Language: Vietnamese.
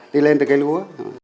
đi lên từ cây lúa